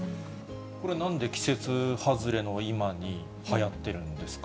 これなんで、季節外れの今にはやってるんですか？